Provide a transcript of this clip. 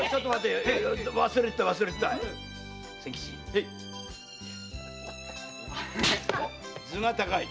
へい！頭が高い！